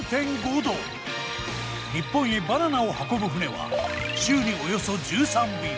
日本へバナナを運ぶ船は週におよそ１３便。